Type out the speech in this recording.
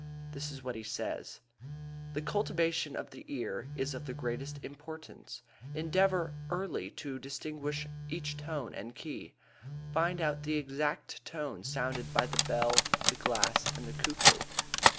This is what he says: "The cultivation of the ear is of the greatest importance. Endeavor early to distinguish each tone and key. Find out the exact tone sounded by the bell, the glass, and the cuckoo."